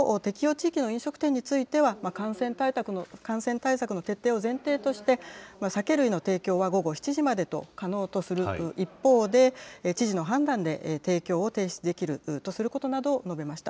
地域の飲食店については、感染対策の徹底を前提として、酒類の提供は午後７時までと、可能とする一方で、知事の判断で提供を停止できるとすることなどを述べました。